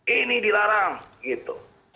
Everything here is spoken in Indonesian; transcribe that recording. ini dilarang gitu